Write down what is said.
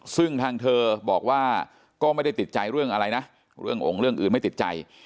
ซึ่งทางเธอบอกว่าก็ไม่ได้ติดใจเรื่องอะไรนะเรื่ององค์เรื่องอื่นไม่ติดใจ